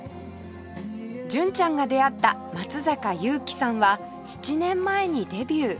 純ちゃんが出会った松阪ゆうきさんは７年前にデビュー